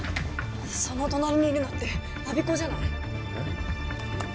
その隣にいるのって我孫子じゃない？